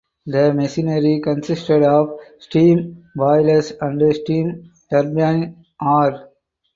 The machinery consisted of steam boilers and steam turbine are.